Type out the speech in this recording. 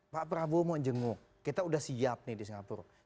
pak prabowo mau jenguk kita sudah siap nih di singapura